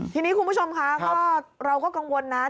ทีนี้คุณผู้ชมค่ะก็เราก็กังวลนะ